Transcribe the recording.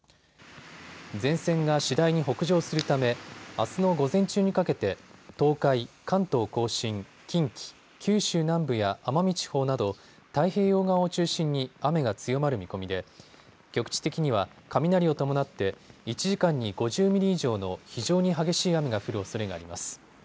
前線が次第に北上するためあすの午前中にかけて東海、関東甲信、近畿、九州南部や奄美地方など太平洋側を中心に雨が強まる見込みで局地的には雷を伴って１時間に５０ミリ以上の非常に激しい雨が降るおそれがあります。